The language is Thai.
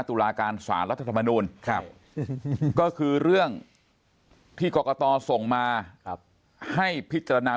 ตุลาการสารรัฐธรรมนูลก็คือเรื่องที่กรกตส่งมาให้พิจารณา